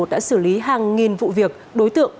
đã xử lý hàng nghìn vụ việc đối tượng